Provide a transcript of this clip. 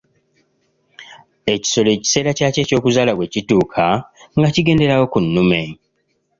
Ekisolo ekiseera kyakyo eky'okuzaala bwe kituuka nga kigenderawo ku nnume.